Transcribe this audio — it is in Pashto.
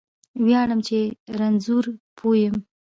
ویاړم چې رانځور پوه یم